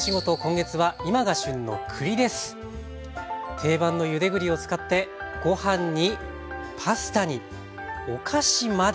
定番のゆで栗を使ってご飯にパスタにお菓子まで！